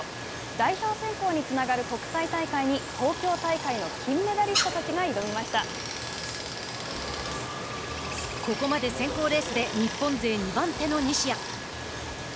代表選考につながる国際大会に東京大会の金メダリストたちがここまで選考レースで日本勢２番手の西矢。